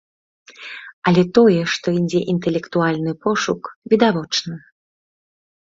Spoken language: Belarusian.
Але тое, што ідзе інтэлектуальны пошук, відавочна.